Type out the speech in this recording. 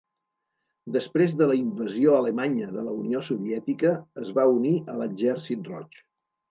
Després de la invasió alemanya de la Unió Soviètica es va unir a l'Exèrcit Roig.